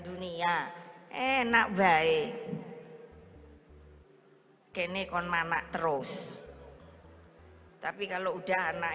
dunia enak baik hai kini konmana terus hai tapi kalau udah anak